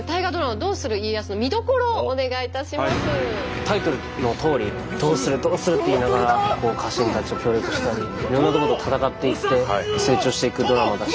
どうする？って言いながら家臣たちと協力したりいろんなとこと戦っていって成長していくドラマだし